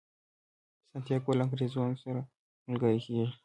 سانتیاګو له انګریز سره ملګری کیږي.